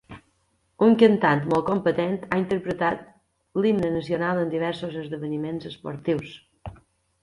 Un cantant molt competent, ha interpretat l"himne nacional en diversos esdeveniments esportius.